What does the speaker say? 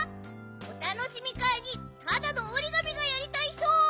おたのしみかいにただのおりがみがやりたいひと！